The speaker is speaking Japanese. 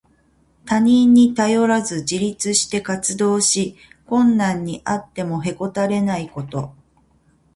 他人に頼らず自立して活動し、困難にあってもへこたれないこと。